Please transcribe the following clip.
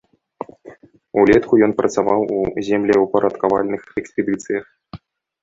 Улетку ён працаваў у землеўпарадкавальных экспедыцыях.